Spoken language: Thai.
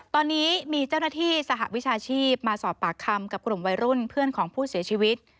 ตอนนี้มีเจ้าหน้าที่สหวิชาชีพมาสอบปากคำกับกลุ่มวัยรุ่นเพื่อนของผู้เสียชีวิต